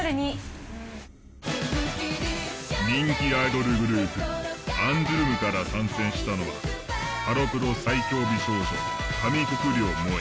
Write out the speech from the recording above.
人気アイドルグループアンジュルムから参戦したのはハロプロ最強美少女上國料萌衣。